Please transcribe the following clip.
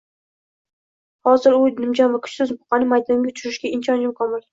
Іozir u nimjon va kuchsiz buqani maydonga tushirishiga ishonchim komil